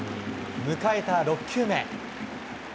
迎えた６球目。